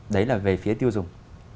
đấy là về phía tiêu dùng